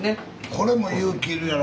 これも勇気要るやろ